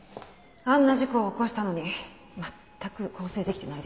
あんな事故を起こしたのに全く更生できてないですね。